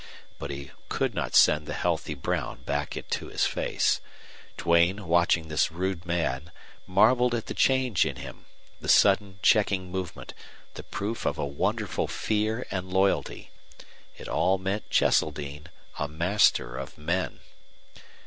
But he could not send the healthy brown back to his face. Duane, watching this rude man, marveled at the change in him, the sudden checking movement, the proof of a wonderful fear and loyalty. It all meant Cheseldine, a master of men!